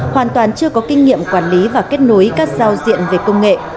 hoàn toàn chưa có kinh nghiệm quản lý và kết nối các giao diện về công nghệ